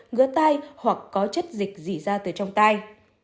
ngứa tai hoặc có chất dịch dì ra từ trong tai